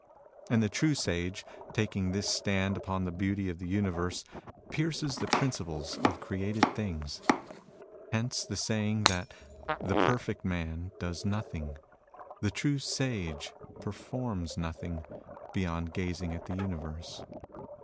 And the true Sage, taking his stand upon the beauty of the universe, pierces the principles of created things. Hence the saying that the perfect man does nothing, the true Sage performs nothing, beyond gazing at the universe.